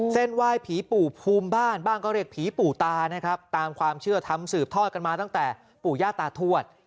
เส้นไหว้ผีปู่ภูมิบ้านบ้างก็เรียกผีปู่ตานะครับตามความเชื่อทำสืบทอดกันมาตั้งแต่ปู่ย่าตาทวด